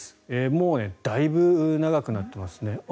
もうだいぶ長くなっていますね。